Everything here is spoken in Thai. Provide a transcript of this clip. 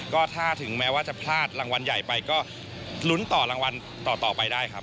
ก็ถ้าถึงแม้ว่าจะพลาดรางวัลใหญ่ไปก็ลุ้นต่อรางวัลต่อไปได้ครับ